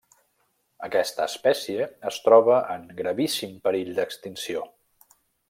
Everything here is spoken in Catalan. Aquesta espècie es troba en gravíssim perill d'extinció.